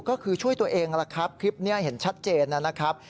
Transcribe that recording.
ก็คือช่วยตัวเองล่ะครับคลิปนี้เห็นชัดเจนนะครับ